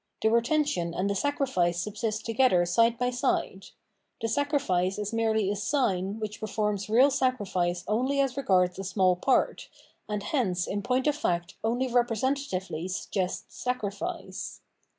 The retention and the sacrifice subsist together side by side. The sacrifice is merely a "sign"' which performs real sacrifice only as regards a small part, and hence in point of fact only representatively suggests sacri fice.